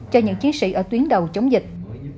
cho những chiến sĩ ở tuyến đầu chống dịch